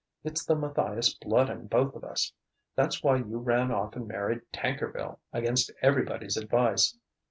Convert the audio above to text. It's the Matthias blood in both of us. That's why you ran off and married Tankerville against everybody's advice.